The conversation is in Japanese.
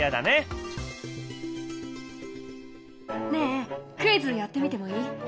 ねえクイズやってみてもいい？